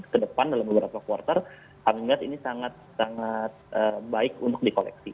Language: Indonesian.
ke depan dalam beberapa quarter kami lihat ini sangat sangat baik untuk di koleksi